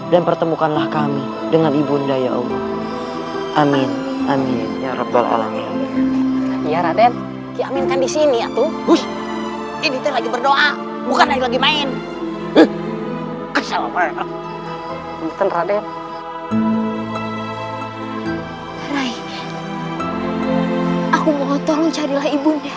dan pertemukanlah kepadamu ya allah